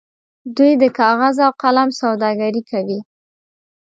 دوی د کاغذ او قلم سوداګري کوي.